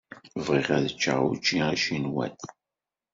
Bɣiɣ ad ččeɣ učči acinwat.